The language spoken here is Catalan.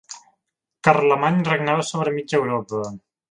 Carlemany regnava sobre mig Europa.